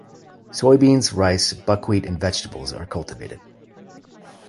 Soybeans, rice, buckwheat, and vegetables are cultivated.